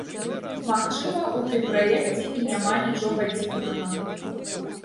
Магчыма, у тым праекце і няма нічога дзіўнага.